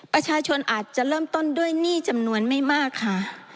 ประชาชนอาจจะเริ่มต้นด้วยหนี้จำนวนไม่มากค่ะ